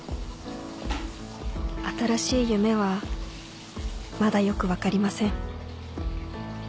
新しい夢はまだよく分かりません